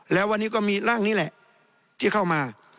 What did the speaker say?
แล้ววันนี้ก็มีร่างนี้แหละที่เข้ามา